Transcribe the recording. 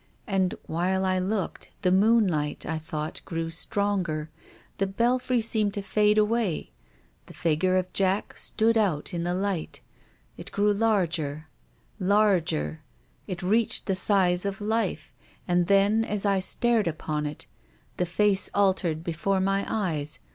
And, while I looked, the moonlight, I thought, grew stronger. The belfry seemed to fade away. The figure of Jack stood out in the light. It grew larger — larger. It reached the size of life. And then, as I stared upon it, the face altered before my eyes.